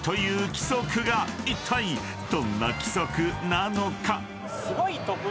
［いったいどんな規則なのか？］